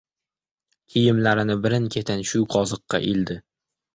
Kiyimlarini birin-ketin shu qoziqqa ildi.